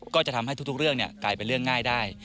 ก็จะทำให้ทุกเรื่องกลายเป็นเรื่องง่ายได้